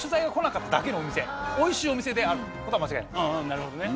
なるほどね。